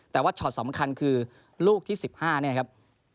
แต่ว่าช็อตสำคัญคือลูกที่๑๕เนี่ยครับ